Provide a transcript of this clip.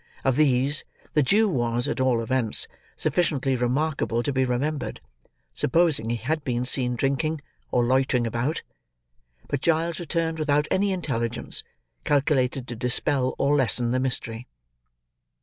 Of these, the Jew was, at all events, sufficiently remarkable to be remembered, supposing he had been seen drinking, or loitering about; but Giles returned without any intelligence, calculated to dispel or lessen the mystery.